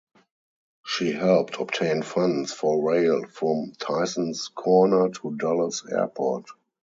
She helped obtain funds for rail from Tysons Corner to Dulles Airport.